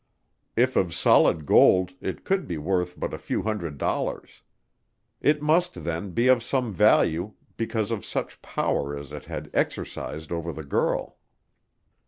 If of solid gold it could be worth but a few hundred dollars. It must, then, be of value because of such power as it had exercised over the girl.